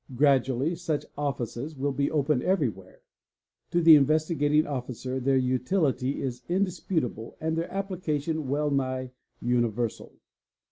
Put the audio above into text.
Gradually { such offices will be opened everywhere; to the Investigating Officer — their utility is indisputable and their application wellnigh universal.